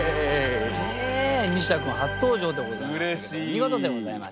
ニシダ君初登場でございましたけども見事でございましたね！